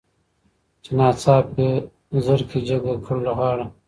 چي ناڅاپه زرکي جګه کړله غاړه